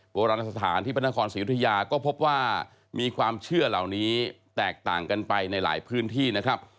โบราณสถานที่พระนครศรียุธยาก็พบว่ามีความเชื่อเหล่านี้แตกต่างกันไปในหลายพื้นที่นะครับ